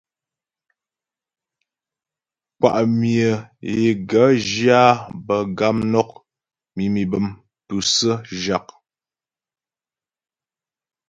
Kwá myə é gaə̌ zhyə áa bə̌ gamnɔk, mimî bəm, tûsə̀ə, zhâk.